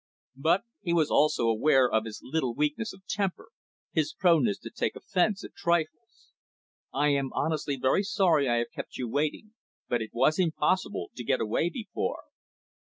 But he was also aware of his little weaknesses of temper, his proneness to take offence at trifles. "I am honestly very sorry I have kept you waiting, but it was impossible to get away before."